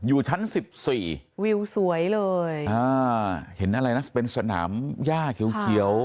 อยู่ชั้น๑๔วิวสวยเลยเห็นอะไรนะเป็นสนามหญ้าเขียว